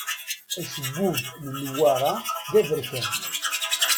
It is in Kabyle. Acebbub n Newwara d aberkan.